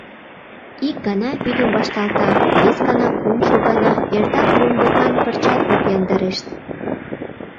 Ик гана вӱдым вашталта, вес гана, кумшо гана — эртак румбыкан, пырчат ок яндарешт.